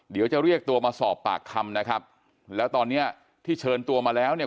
เดี๋ยวจะเรียกตัวมาสอบปากคำนะครับแล้วตอนเนี้ยที่เชิญตัวมาแล้วเนี่ย